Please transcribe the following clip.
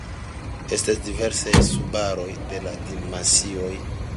Estas diversaj subaroj de la dimensioj.